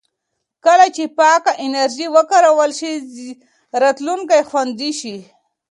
کله چې پاکه انرژي وکارول شي، راتلونکی خوندي شي.